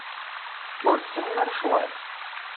Ur tesɛim ara ccɣel?